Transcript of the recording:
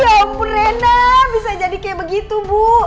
ya ampun rena bisa jadi kayak begitu bu